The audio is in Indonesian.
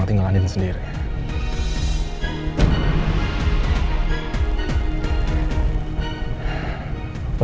nih ini dia